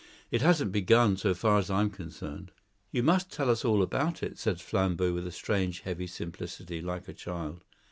"It hasn't begun, so far as I am concerned." "You must tell us all about it," said Flambeau with a strange heavy simplicity, like a child.